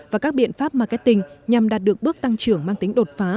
và các biện pháp marketing nhằm đạt được bước tăng trưởng mang tính đột phá